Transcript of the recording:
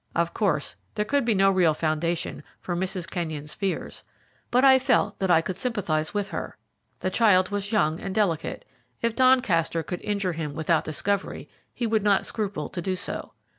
Of course, there could be no real foundation for Mrs. Kenyon's fears, but I felt that I could sympathize with her. The child was young and delicate; if Doncaster could injure him without discovery, he would not scruple to do so.